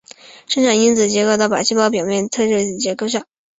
生长因子结合到靶细胞表面的特异受体上。